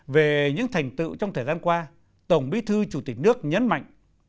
về những thành tựu trong thời gian qua tổng bí thư chủ tịch nước nhấn mạnh